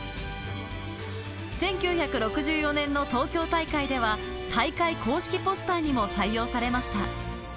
１９６４年の東京大会では、大会公式ポスターにも採用されました。